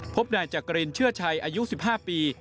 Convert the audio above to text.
พบนายจักรินเชื่อชัยอายุ๑๕ปี